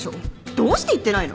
どうして言ってないの？